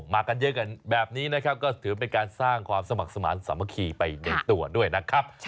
มากันเยอะกันแบบนี้นะครับก็ถือเป็นการสร้างความสมัครสมาธิสามัคคีไปในตัวด้วยนะครับ